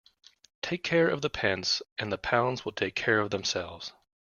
Take care of the pence and the pounds will take care of themselves.